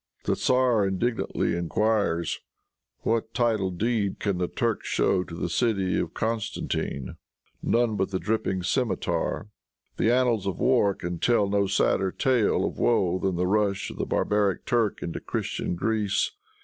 The tzar indignantly inquires, "What title deed can the Turk show to the city of Constantine?" None but the dripping cimeter. The annals of war can tell no sadder tale of woe than the rush of the barbaric Turk into Christian Greece.